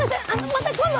また今度！